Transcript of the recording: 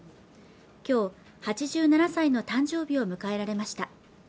今日８７歳の誕生日を迎えられました